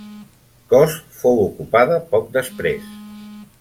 Kos fou ocupada poc després.